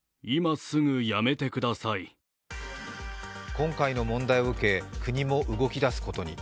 今回の問題を受け、国も動き出すことに。